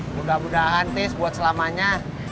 mudah mudahan tis buat selamanya